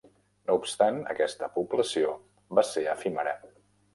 No obstant, aquesta població va ser efímera.